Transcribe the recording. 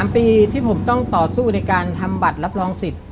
๓ปีที่ผมต้องต่อสู้ในการทำบัตรรับรองสิทธิ